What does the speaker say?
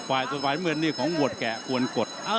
ส่วนไฟเหมือนนี่ของหวดแกะกวนกฎ